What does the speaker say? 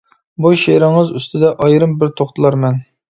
-بۇ شېئىرىڭىز ئۈستىدە ئايرىم بىر توختىلارمەن.